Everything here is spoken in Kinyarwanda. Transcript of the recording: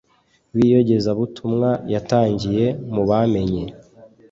b’iyogezabutumwa yatangiye mu bamenye